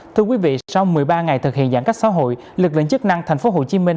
thưa quý vị sau một mươi ba ngày thực hiện giãn cách xã hội lực lượng chức năng thành phố hồ chí minh